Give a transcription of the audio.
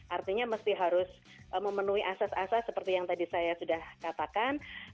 artinya mesti harus memenuhi asas asas seperti yang tadi saya sudah katakan